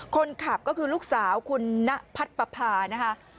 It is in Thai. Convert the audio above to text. คนขับก็คือลูกสาวคุณณพัดปภานะคะ